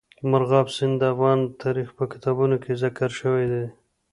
مورغاب سیند د افغان تاریخ په کتابونو کې ذکر شوی دي.